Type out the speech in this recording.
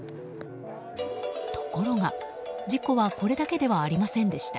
ところが、事故はこれだけではありませんでした。